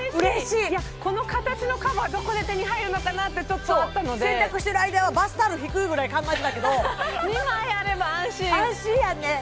いやこの形のカバーどこで手に入るのかな？ってちょっとあったので洗濯してる間はバスタオル敷く？ぐらい考えてたけど２枚あれば安心安心やんね